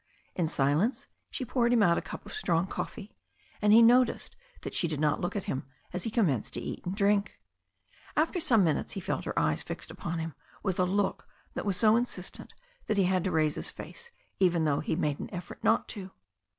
In silence she poured him out a cup of strong coffee, and he noticed that she did not look at him as he commenced to eat and drink. After some minutes he felt her eyes fixed upon him with a look that was so insistent that he had to raise his face even though he made an effort not to.